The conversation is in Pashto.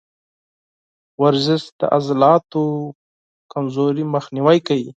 ورزش د عضلاتو کمزوري مخنیوی کوي.